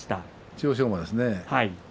千代翔馬ですね。